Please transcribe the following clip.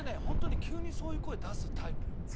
本当に急にそういう声出すタイプよ。